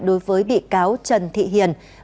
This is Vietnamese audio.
đối với bị cáo trần thị hiền